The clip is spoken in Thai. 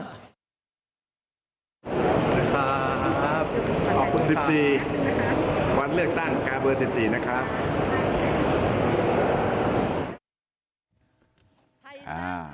ขอบคุณ๑๔วันเลือกตั้งกาเบอร์สิบสี่นะครับ